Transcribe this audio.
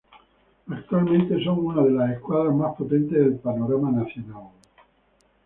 Actualmente son una de las escuadras más potentes del panorama nacional.